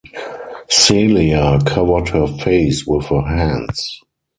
Celia covered her face with her hands.